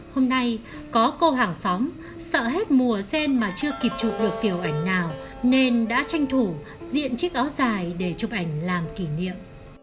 hôm nay có cô hàng xóm sợ hết mùa sen mà chưa kịp chụp được kiểu ảnh nào nên đã tranh thủ diện chiếc áo dài để chụp ảnh làm kỷ niệm